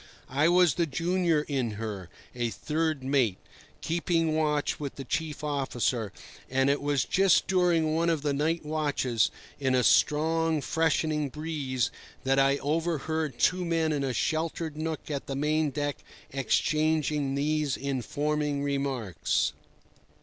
I was the junior in her, a third mate, keeping watch with the chief officer; and it was just during one of the night watches in a strong, freshening breeze that I overheard two men in a sheltered nook of the main deck exchanging these informing remarks.